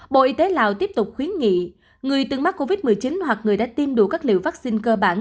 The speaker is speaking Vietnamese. bộ y tế lào tiếp tục khuyến nghị người từng mắc covid một mươi chín hoặc người đã tiêm đủ các liệu vaccine cơ bản